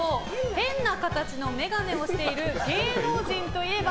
変な形の眼鏡をしている芸能人といえば？